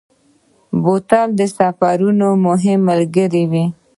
بوتل د سفرونو مهم ملګری وي.